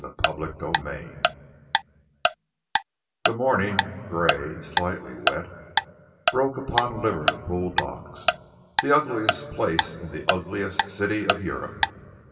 CHAPTER XV The morning grey, slightly wet broke upon Liverpool docks, the ugliest place in the ugliest city of Europe.